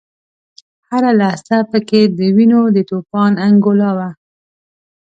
هره لحظه په کې د وینو د توپان انګولا وه.